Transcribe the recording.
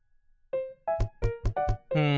うん。